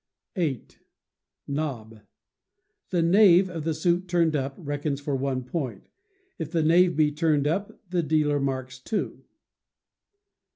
viii. Nob. The knave of the suit turned up reckons for one point; if a knave be turned up, the dealer marks two.